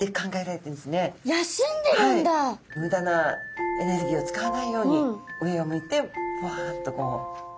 むだなエネルギーを使わないように上を向いてポワンとこう。